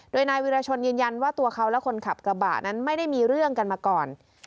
โดยนายวิรชนยืนยันว่าตัวเขาและคนขับกระบะนั้นไม่ได้มีเรื่องกันมาก่อน